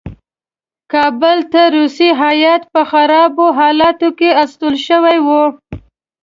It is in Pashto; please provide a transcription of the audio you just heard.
کابل ته روسي هیات په خرابو حالاتو کې استول شوی وو.